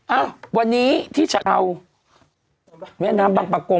อ้าววันนี้ที่ชาวน้ำบังปากกง